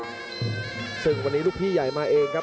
ซึ่งวันนี้แบบหนึ่งลูกพี่ใหญ่มาเองครับ